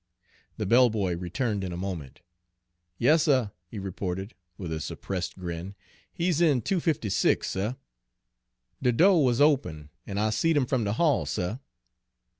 The bell boy returned in a moment. "Yas, suh," he reported, with a suppressed grin, "he's in 256, suh. De do' was open, an' I seed 'im from de hall, suh."